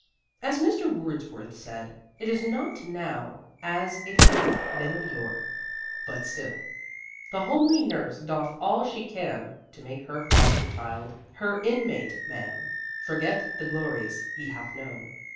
As Mr. Wordsworth said, it is not now as it hath been of yore. But still, The homely Nurse doth all she can To make her foster child, her Inn mate Man, Forget the glories he hath known.